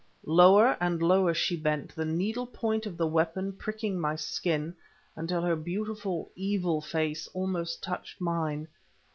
Lower and lower she bent, the needle point of the weapon pricking my skin, until her beautiful, evil face almost touched mine.